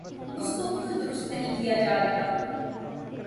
اس کو کیوں درست نہیں کیا جا رہا؟